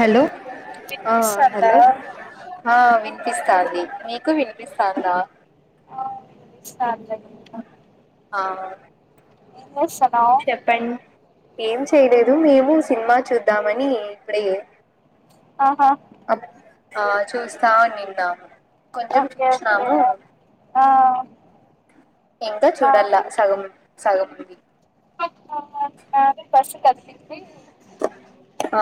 Hello ఆ hello వినిపిస్తంది మీకు వినిపిస్తందా ఆ వినిపిస్తంది ఆ చెప్పండి [unintelligible] ఏం చేయలేదు మేము సినిమా చూద్దామని ఇప్పుడే ఆహా అప్ ఆ చూస్తా నిన్న కొంచెం ఓకే ఓకే చూసినాము ఆ ఇంకా ఆ చూడల్లా సగం సగముంది [unintelligible] ఆ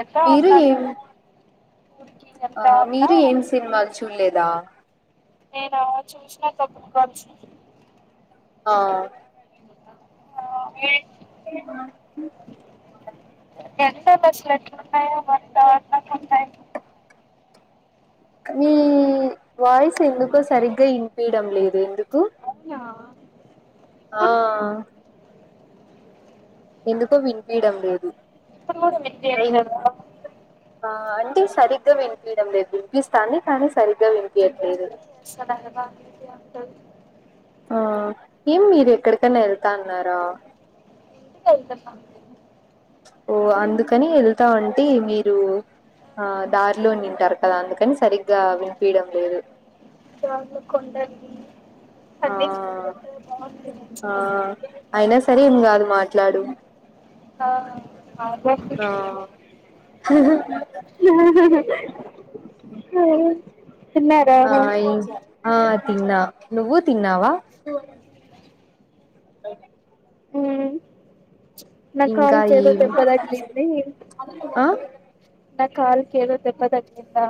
ఎళ్తా మీరు ఉన్నా ఏం నేను ఊరికి ఆ వెళ్తా ఉన్నా మీరు ఏం సినిమాలు చూడలే దా నేనా చూసినా [unintelligible] ఆ [unintelligible] [unintelligible] ఎంత బస్లు ఇట్లన్నాయ అంత అందంగా ఉన్నాయి మీ వాయిస్ ఎందుకో సరిగ్గా ఇనిపియడం లేదు ఎందుకు ఆ ఆ ఎందుకో వినిపియడం లేదు ఇప్పుడు కూడా రైన్ వినిపియ్యట్లేదా ఆ అంటే సరిగ్గా వినిపియడం లేదు వినిపిస్తాంది కానీ స అంటే జర్నీ చేస్తండా కదా [unintelligible] ఆ ఏం మీరు ఎక్కడికైనా ఎళ్తాన్నారా తస్త [inaudible] ఓ అందుకని వెళ్తా అంటే మీరు ఆ దారిలో నింటారు కదా గా విన్ పీడం లేదు దాంట్లో కొండలు ఆ అన్నీ చూసుకుంటే ఆ బాగుంటాయి అయినా సరే ఇకా అదు మాట మాట్లాడు ఆ [inaudible] ఆ హా ఆ అయి ఆ తిన్నా నువ్వు తిన్నావా ఊ నా కల్ ఇంకా చేద ఏం దెబ్పదగిలింది ఆ నా కాల్కి ఏదో దెబ్బ దగలిందా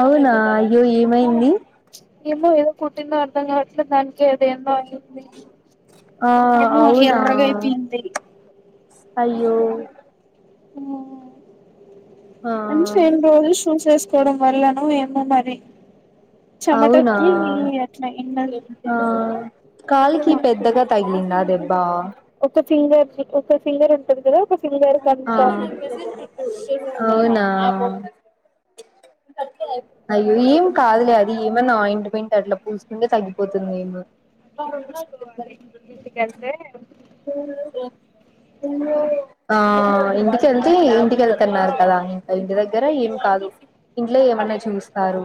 అవునా అయ్యో ఏమైంది ఏమో ఏదో కూటీందో అర్థం కావ్ అట్ల దానికి‌ అది ఏమో అయింది ఆ ఏమో అవునా ఎర్రగా అయిపోయింది అయ్యో ఊ ఆ అంట రెండు రోజులు షూసేసు కోవడం వల్లనో ఏమో మరి అవునా చెమటకి ఆ అట్లా ఎండ దెబ్బ ఒక సింగర్ ఒక సింగర్ ఆ అవునా ఆ అయ్యో ఏం కాదులే అది ఏమన్నా ఆయింట్మెంట్ అట్లా పూసుకుంటే తగ్గిపోతుంది ఏమో పూసుకోవాలి ఇంటికెళ్తే ఇంగా ఆ ఇంటికెళ్తే ఆ ఇంటికెళ్తున్నారు కదా ఇంకా ఇంటి దగ్గర ఏం కాదు ఇంట్లో ఏమన్నా అదే చూస్తారు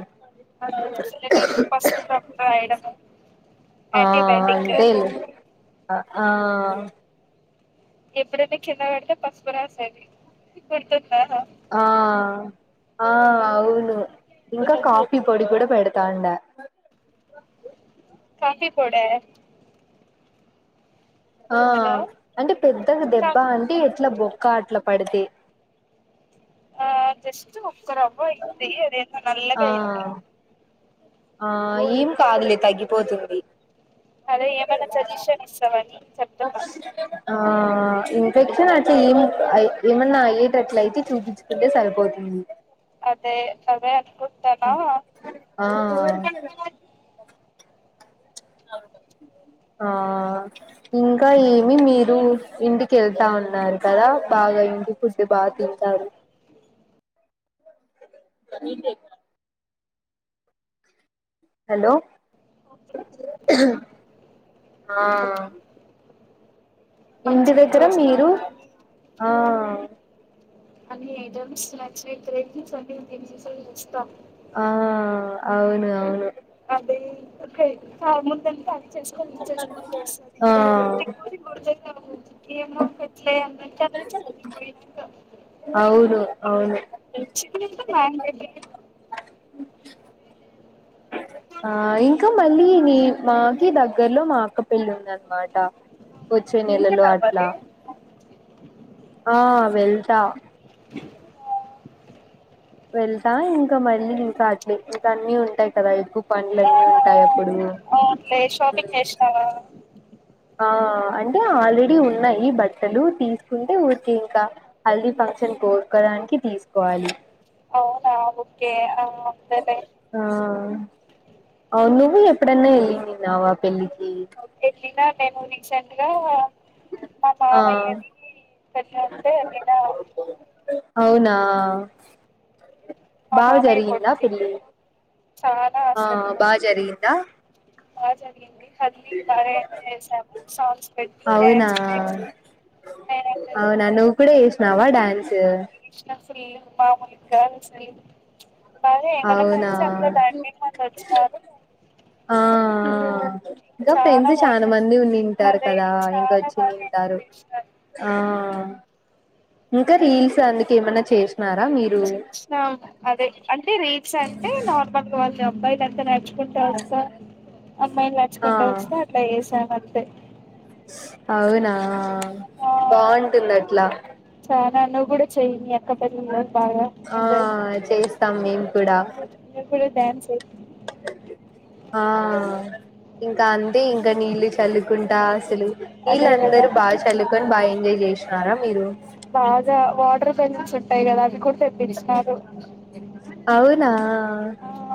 అదే లేదంటే పసుపు రసం రాయడము ఆ యాంటీబయాటిక్ అంటే ఆ ఎప్పుడైనా కింద పడితే పసుపు రాసేది గుర్తుందా ఆ ఆ అవును ఇంకా కాఫీ పొడి కూడా పెడతాండె కాఫీ పొడా ఆ హలో అంటే పెద్దగా దెబ్బ కాఫీ అంటే ఎట్ల బొ కా అట్ల పడితే ఆ జస్ట్ ఒక్క ర ఓయి తెలియదు ఏందో నల్లగ ఆ అయింది ఆ ఏం కాదులే తగ్గిపోతుంది అదే ఏమైనా సజెషన్ ఇస్తవని చెప్తున్నా ఆ ఇన్ఫెక్షన్ అయితే ఏం అ ఏమన్న అయ్యే అట్ల అయితే చూపించుకుంటే సరిపోతుంది ఊ అదే అదే అనుకు కుంటానా ఆ ఆ ఇంకా ఏమి మీరు ఇంటికి వెళ్తా ఉన్నారు కదా బాగా ఫుడ్ బాగా తింటారు మనింటికేగా హలో ఆ ఇంటి మంచిగా దగ్గర మీరు చేసుకోని తిని ఆ అన్ని ఐటమ్స్ నచ్చినవి ప్రయత్నించండి [inaudible] ఆ అవును అవును అదే ఇందుకే ఆ ముందంత అది చేసుకోండి చేసుకోండి వస్తది ఇంటికి ఆ పోతే గోడువా ఏం కాదు ఏమో అక్క అవును అవును మా ఆయన పెట్టిండు ఆ ఇంకా మళ్ళీ నీ మాకి దగ్గర్లో మా అక్క పెళ్ళి ఉంది అన్నమాట వచ్చే నెలలో వెళ్తున్నావా అట్లా రే ఆ వెళ్ చా వెళ్తా ఇంకా మళ్ళీ ఇంకా అట్లే ఇంకా అన్నీ ఉంటాయి కదా ఎక్కువ పండ్లు అన్నీ ఉంటాయి అప్పుడు అట్లే షాపింగ్ చేసినవా [unintelligible] ఆ అంటే ఆల్రెడీ ఉన్నాయి బట్టలు తీసుకుంటే ఊరి కె ఇంకా హల్దీ ఫంక్షన్ ఒక్క దానికి తీసుకోవాలి. అవునా ఓకే ఆ అంతేలే ఆ అ నువ్వు ఎప్పుడన్నా వెళ్ళినవ పెళ్ళికి వెళ్లిన నేను ని రీసెంట్ గా మా ఆ మామయ్య ది పెళ్లంటే వెళ్లిన అవునా మా బాగ మామయ్య జరిగిందా కొడుకుది పెళ్లి చాలా అసలు బాగ జరిగింది హల్ది బాగా ఎంజాయ్ చేసాము సాంగ్స్ పెట్టి అవునా డ్యాన్స్ కూడా వేసాము నేను అయితే వేసినవా డ్యాన్స్ ఇష్టం ఫుల్ మాములుగ కాదు అస్సలు అవునా వచ్చినారు ఆ ఇంకా ఫ్రెండ్స్ చాలా మంది ఉన్నింటారు అదే కదా చాలా బాగా ఎంజాయ్ ఇంకొచ్చిన్నింటారు చేసినారు ఆ ఇంకా రీల్స్ అందుకె ఏమన్నా చేస్ ఊ అదే అంటే రి రిల్స్ అంటే నార్మల్గా ఈ అబ్బాయిలు ఎంత నేర్చుకుంటరక్క అమ్మాయిలు ఆ నేర్చుకుంటూ వస్తే అట్లా చేసామ తే అవునా బాగుంటుంది అట్లా మా నాన్న కూడా చేయ్ని అక్క పెళ్లి లో ఆ చేస్తాం మేము కూడా నువ్వు కూడా డ్యాన్స్ ఆ ఇంక అంతే ఇంక నీళ్ళు చల్లుకుంటా అసలు నీళ్లు అదే కదా అందరూ బాగా చల్లుకొని బాగా ఎంజాయ్ చేసన్నారా మీరు బాగా వాటర్ బెలూన్స్ ఉంటాయి కదా అవి కూడా తెప్పిచ్చినారు. అవునా ఆ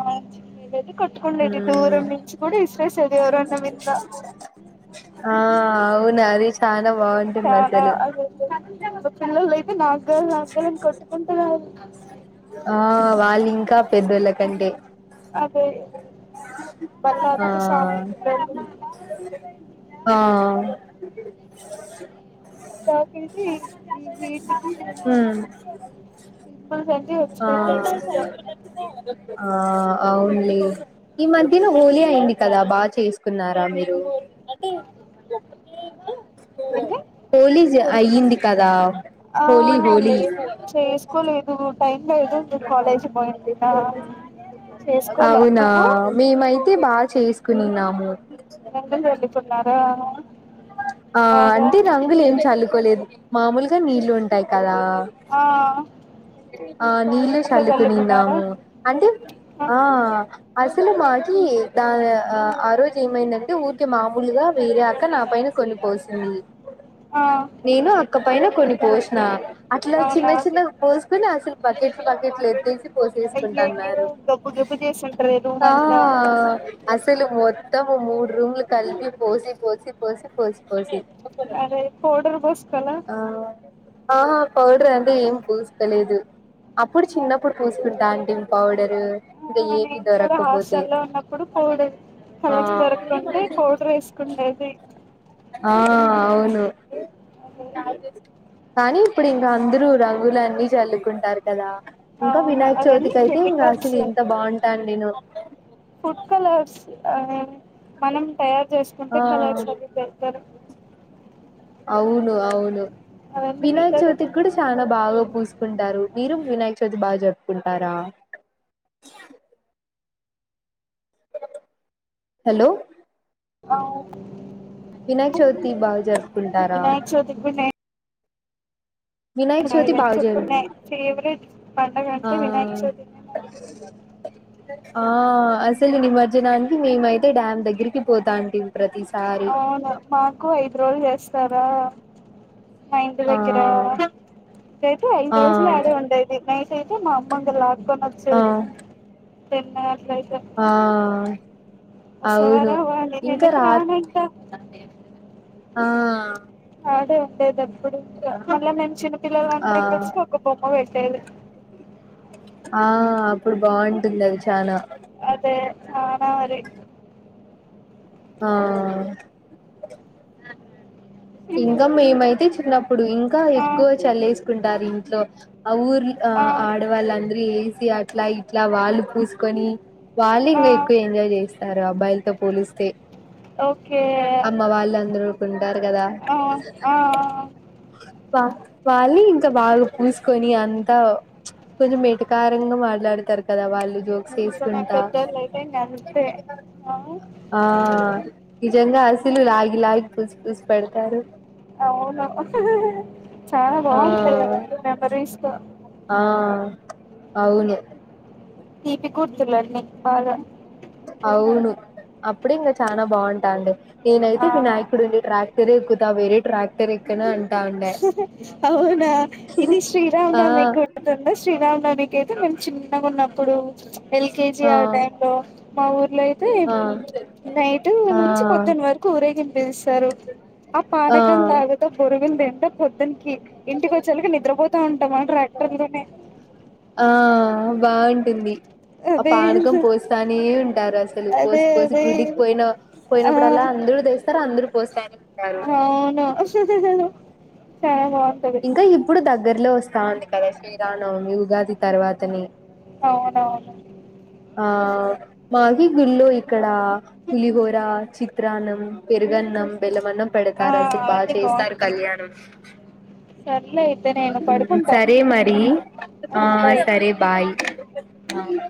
ఆ నిదే కొట్టుకుండేది ద మ్మ్ దూరం నుంచి కూడా ఇస్రే సై ఎవరన్న మింద ఆ అవును అది చాన చాలా అది పిల్లలు అయితే నాకాల్ల నాకాల్ల అని కొట్టుకుంటూనే ఆ వాళ్ళు ఇంకా పెద్దోళ్ళకంటే అదే ఆ బలవంత స్వామి పిల్లలు ఆ ఆ ఆ కాకీదీ ఇది ఊ మ్ పింపుల్స్ అంటే ఆ వచ్చినాయి ఫేస్ మీద ఆ అవును లే ఈ మధ్య లో హోలీ అయింది కదా బాగా చేసుకున్నారా మీరు ఏంది హోలీ అయ్యింది కదా ఆ హోలీ హ హోలీ లేదు చేసుకోలేదు టైం లేదు ను కాలేజీ పోయింటివ చేసుకోలే నువ్వు కునినాము [unintelligible] ఆ బాగా అంటే రంగులు ఏం చల్లు కోలేదు మామూలుగా నీళ్లు ఉంటాయి కదా ఆ ఆ నీళ్లు అట్లా చల్లుకున్నారా సల్లుకునినాము అంటే ఆ అందులో మాకి దా ఆ రోజు ఏమైందంటే ఊరి కె మామూలుగా వేరే అక్క నా పైన కొన్ని పోసింది ఆ నేను అక్క పైన కొన్ని పోసిన అట్లా చిన్న అవునా చిన్న అసలు బకెట్ బకెట్ ఏత్తేసి అయ్యయ్యో పోసేసుకుంటాన్నారు గబ్బు గబ్బు చేసింటారే రూమ్ ఆ అంతా అసలు మో మొత్తము మూడు రూమ్ లు కలిపి పోసి పోసి పోసి పోసి పోసి అదే పౌడర్ పూసుకోలే ఆ హ పౌడర్ అంటే ఏం పూ లేదు అప్పుడు చిన్నప్పుడు పూసుకుంటాంటిం పౌడరు ఇంకా ఆ ఏ కూడా హాస్టల్ లో ఉన్నప్పుడు పౌడర్ ఆ కలకి దొరక్కుండా పౌడర్ వేసుకుండేది ఆ అవును అదే కానీ ఇప్పుడు ఇంకా అందరూ రంగులన్నీ జల్లుకుంటారు కదా ఇంకా అవును వినాయక అవన్నీ చవితికి అయితే ఇంకా అసలు కెమికల్స్ ఇంత బాగుంటాను నేను ఆ మనం తయారు సుకుంటే ఆ కలర్స్ అవి బెటర్ అవును అవును అవన్నీ వినాయక చవితి మిగతావన్నీ కూడా చాలా బాగా పూసు కుంటారు మీరు వినాయక చవితి బాగా జరుపుకుంటారా హలో ఆవు వినాయక చవితి బాగ్జరు వినాయాకచవితి కి నేన్ వినాయక చవితి బాగా చెప్పు జరుపు మే ఫేవరెట్ పండుగ ఆ అంటే వినాయక చవితినేమో అనుకున్న ఆ అసలు నిమజ్జనానికి మేమయితే డ్యామ్ దగ్గరికి పోతాంటిమి. ప్రతిసారి అవును మాకు ఐదు రోజలు జేస్త్ స్తారా మా ఇంటి ఆ దగ్గర అయితే ఐదు ఆ రోజులు ఆడే ఉండేది నైట్ చేతే మా అమ్మొల్ల ఆ కొనేచ్చది. పెన్నార్ ఆ వస్సవ అవును రావా అనీ ఇంకా నేనైతే రా రానంట అంతే ఆ ఆడే ఉండేదేప్పుడు ఇంకా మళ్ళ మేం చిన్న పిల్లల్ ఆ అందరం కలిసి ఒక బొమ్మ పెట్టేది. ఆ అప్పుడు బాగుంటుంది అది చానా అదే చానారీ ఆ ఇంకా మేమైతే చిన్నప్ అప్పుడు ఇంకా ఆ ఎక్కువ చల్లేసు కుంటారు ఇంట్లో ఆ ఊర్ల్ ఆ ఆడవాళ్ళందు వేసి అట్ల ఇట్ల వాళ్ళు పూసుకొని వాళ్ళు ఆ ఇంగ ఎక్కువ ఎంజాయ్ చేస్తారు అబ్బాయిలతో పోలిస్తే ఓకే అమ్మ వాళ్ళు అందరూ ఉంటారు కద ఆ ఆ వ వాళ్ళు ఇంకా బాగా పూసుకొని అంతా కొంచెం ఎటకారంగా మాట్లాడతారు కదా వాళ్ళు జో నిజమే పెద్దోళ్ళు అయితే ఇంగ అంతే ఆ ఆ నిజంగ అసలు లాగి లాగి పూసి పూసి పెడతారు. అవును. చాల ఆ బాగుంటాయి అవన్ని మెమరీస్గ ఆ అవును. తిపి గుర్తులన్ని బాగ అవును అప్పుడె ఇంగ చాన బాగుంటాండే. నేనైతే ఆ వినాయకుడు ఉండి ట్రాక్ [unintelligible] వేరే ట్రాక్టర్ ఎక్కను అం హుహు అవున ఇది శ్రీరామ్ ఆ నవమి గుర్తుందా శ్రీరామ్ నవమి. కైతే మేము చిన్నగ ఉన్నప్పుడు ఎల్కేజీ ఆ టైమ్ లో మా ఊర్లో అయితే ఆ నైట్ ఆ నుంచి పొద్దున్న వరకు ఊరేగింపఎస్తారు. ఆ పానకం తాగుత బొరుగులు తిన్ పొద్దన్ ఇంటికి వచ్చేలకి నిద్రపోతా ఉంటాం. ఆ ట్రాక్టర్ లొనే. ఆ బాగుంటుంది ఆ పానకం అదే పోస్తానే ఉంటారు. అసలు పోసిపోసి అదే గుడికి పోయిన ఆ పోయినప్పుడు అల్లా అందరు తోస్తారు అందరు పోస్తానేమ్ అవును హుహుహు స ఇంక ఇప్పుడు దగ్ దగ్గరలో వస్తా ఉంది కద శ్రీరామ్ నవమి. ఉగాది తర్వాత నే అవునవును ఆ మాకి గుడిలో ఇక్కడ పులిహోర, చిత్రాన్నం పెరుగన్నం, బెలమన్నం ఆ పెడతారు అసలు బాగ అవన్నీ చేస్తారు బాగుంటాయి కళ్యాణం సర్లే నేను పడుకుంటా సరే మరి ఆ సరే బాయ్. అవును